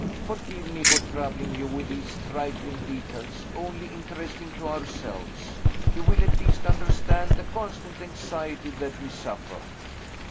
Forgive me for troubling you with these trifling details, only interesting to ourselves. You will at least understand the constant anxiety that we suffer."